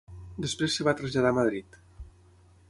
Després es va traslladar a Madrid.